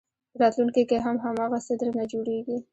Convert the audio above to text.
په راتلونکي کې هم هماغه څه درنه جوړېږي.